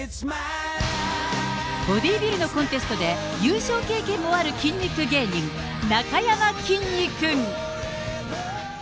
ボディービルのコンテストで優勝経験もある筋肉芸人、なかやまきんに君。